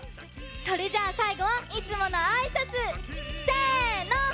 それじゃあさいごはいつものあいさつ！せの！